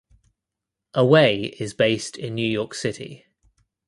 Away is based in New York City.